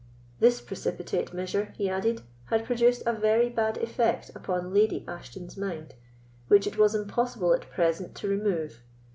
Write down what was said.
This precipitate measure, he added, had produced a very bad effect upon Lady Ashton's mind, which it was impossible at present to remove.